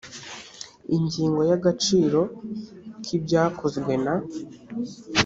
ingingo ya agaciro k ibyakozwe na